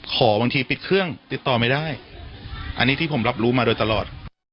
ขอบางทีปิดเครื่องติดต่อไม่ได้อันนี้ที่ผมรับรู้มาโดยตลอด